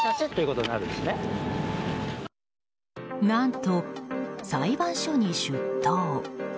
何と裁判所に出頭。